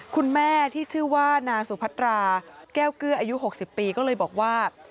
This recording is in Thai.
คุณแม่ที่ชื่อว่านางสุพัตราแก้วเกื้ออายุ๖๐ปีก็เลยบอกว่า